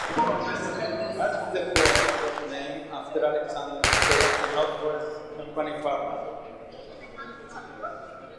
The Fort was named after Alexander McKay a Northwest Company partner.